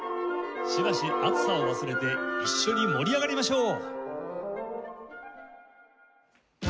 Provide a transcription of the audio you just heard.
しばし暑さを忘れて一緒に盛り上がりましょう！